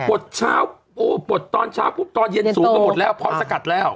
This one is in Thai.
ดเช้าโอ้ปลดตอนเช้าปุ๊บตอนเย็นสูงก็หมดแล้วพร้อมสกัดแล้ว